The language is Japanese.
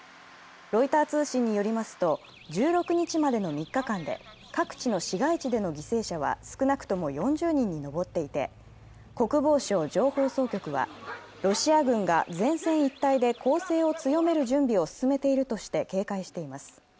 ロイター通信によりますと１６日までの３日間で各地の市街地での犠牲者は少なくとも４０人に上っていて、国防省情報総局はロシア軍が前線一帯で攻勢を強める準備を進めているとして警戒しています。